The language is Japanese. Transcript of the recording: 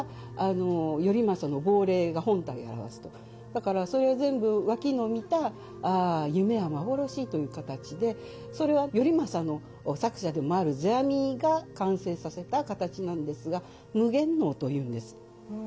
だからそれが全部それは「頼政」の作者でもある世阿弥が完成させた形なんですが夢幻能というんです。